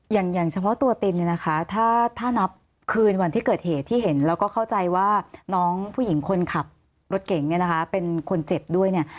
อย่างอย่างเฉพาะตัวตินเนี่ยนะคะถ้านับคืนวันที่เกิดเหตุที่เห็นแล้วก็เข้าใจว่าน้องผู้หญิงคนขับรถเก่งเนี่ยนะคะเป็นคนเจ็บด้วยเนี่ย